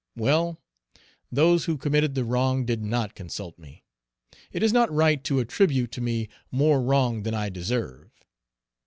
Well! those who committed the wrong did not consult me. It is not right to attribute to me more wrong than I deserve.